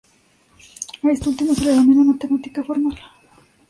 A esto último se lo denomina "matemática formal.